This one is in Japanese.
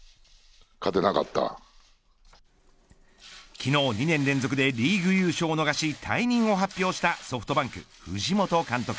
昨日２年連続でリーグ優勝を逃し退任を発表したソフトバンク藤本監督。